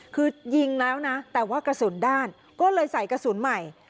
คือยิงแล้วนะแต่ว่ากระสุนด้านก็เลยใส่กระสุนใหม่